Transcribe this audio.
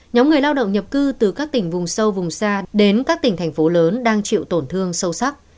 nhóm người lao động nhập cư từ các tỉnh vùng sâu vùng xa đến các tỉnh thành phố lớn đang chịu tổn thương sâu sắc